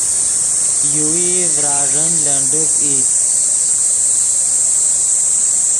یوویئی ڤراݱین لنڈیک ای